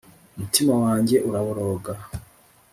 umutima wanjye uraboroga